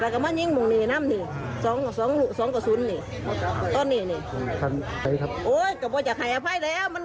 ก็ซุดที่มันละครรอบหูกศึกแต่จับละคร